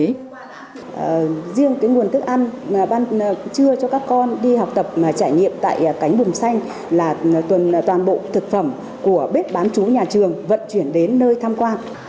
riêng cái nguồn thức ăn trưa cho các con đi học tập trải nghiệm tại cánh bồng xanh là toàn bộ thực phẩm của bếp bán chú nhà trường vận chuyển đến nơi tham quan